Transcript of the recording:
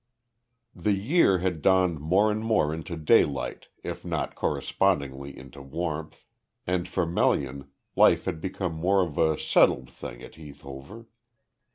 The year had dawned more and more into daylight if not correspondingly into warmth, and for Melian life had become more of a settled thing at Heath Hover.